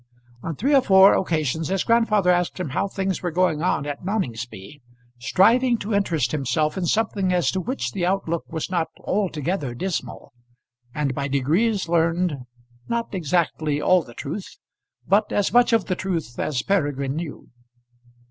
On three or four occasions his grandfather asked him how things were going at Noningsby, striving to interest himself in something as to which the outlook was not altogether dismal, and by degrees learned, not exactly all the truth but as much of the truth as Peregrine knew.